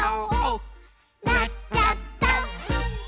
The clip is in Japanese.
「なっちゃった！」